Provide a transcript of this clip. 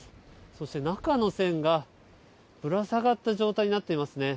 そして中の線がぶら下がった状態になっていますね。